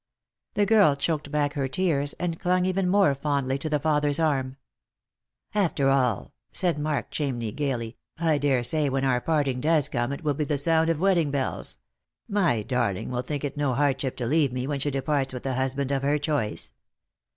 The girl choked back her tears, and clung even more fondly to the father's arm. 13G Lost for Love. " After all," said Mark Chamney gaily, " I daresay when our parting does come it will be the sound of wedding bells. My darling will think it no hardship to leave me when she departs with the husband of her choice."